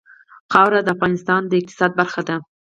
خاوره د افغانستان د اقتصاد برخه ده.